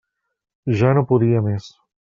Ja no podia més.